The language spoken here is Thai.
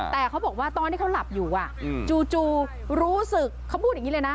แต่เขาบอกว่าตอนที่เขาหลับอยู่จู่รู้สึกเขาพูดอย่างนี้เลยนะ